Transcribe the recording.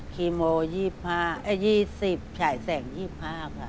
คีโม๒๕อ่ะ๒๐ฉายแสง๒๕ครับ